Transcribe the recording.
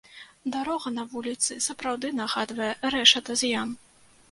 Дарога на вуліцы сапраўды нагадвае рэшата з ям.